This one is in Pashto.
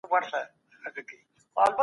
کاردستي د ذهن په تجزیه او تحلیل اغېزه کوي.